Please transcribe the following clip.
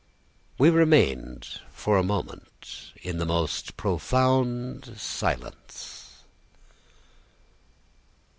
We remained for a moment in the most profound silence.